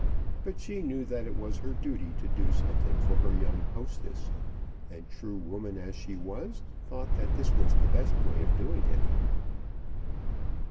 But she knew that it was her duty to do something for her young hostess, and, true woman as she was, thought that this was the best way of doing it.